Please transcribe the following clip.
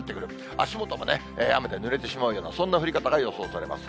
足元も雨でぬれてしまうような、そんな降り方が予想されます。